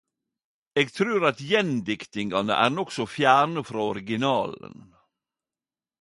Eg trur at gjendiktingane er nokså fjerne frå originalen.